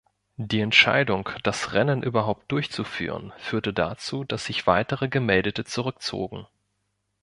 Die Entscheidung, das Rennen überhaupt durchzuführen, führte dazu, dass sich weitere Gemeldete zurückzogen.